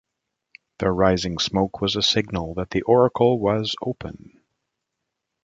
The rising smoke was a signal that the oracle was open.